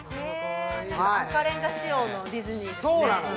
赤レンガ仕様のディズニーですね。